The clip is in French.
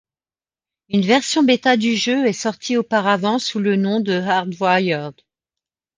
Une version bêta du jeu est sortie auparavant sous le nom de HardWired.